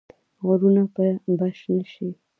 غرونه به شنه شي؟